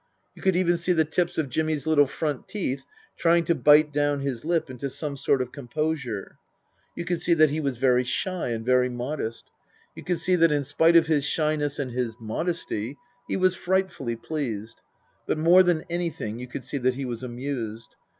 You could even seen the tips of Jimmy's little front teeth trying to bite down his lip into some sort of composure. You could see that he was very shy and very modest ; you could see that in spite of his shyness and his modesty he was frightfully pleased ; but more than anything you could see that he was amused.